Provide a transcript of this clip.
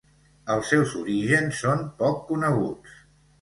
Els seus orígens són poc coneguts.